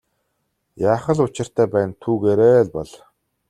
Яах л учиртай байна түүгээрээ бол.